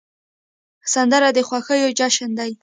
سندره د خوښیو جشن دی